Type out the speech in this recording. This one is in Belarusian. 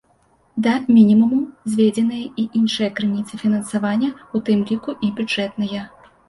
Да мінімуму зведзеныя і іншыя крыніцы фінансавання, у тым ліку і бюджэтныя.